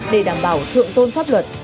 để đảm bảo thượng tôn pháp luật